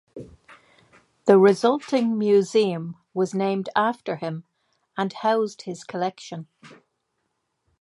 The resulting museum was named after him and housed his collection.